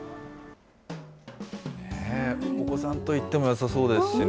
お子さんと行ってもよさそうですしね。